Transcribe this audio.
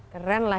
keren lah ya